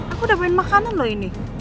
aku udah main makanan loh ini